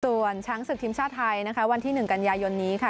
ส่วนช้างศึกทีมชาติไทยนะคะวันที่๑กันยายนนี้ค่ะ